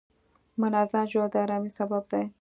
منظم ژوند د آرامۍ سبب دی.